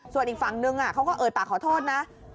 ส่วนอีกฝั่งนึงเขาก็เอ่ยปากขอโทษนะ